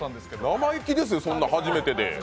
生意気ですよ、それ初めてで。